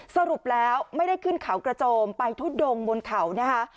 สรุปแล้วไม่ได้ขึ้นเขากระโจมไปทุดงบนเขานะคะ